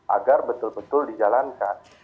agar betul betul dijalankan